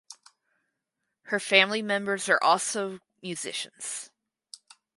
Her family members are also musicians.